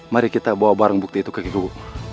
mari kita bawa barang bukti itu ke ibu